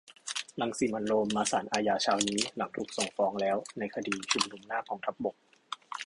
รังสิมันต์ โรม มาศาลอาญาเช้านี้หลังถูกส่งฟ้องแล้วในคดีชุมนุมหน้ากองทัพบก